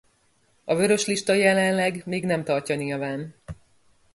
A vörös lista jelenleg még nem tartja nyilván.